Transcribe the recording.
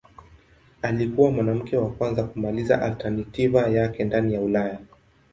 Alikuwa mwanamke wa kwanza kumaliza alternativa yake ndani ya Ulaya.